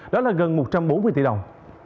đó là gần một trăm bốn mươi tỷ đồng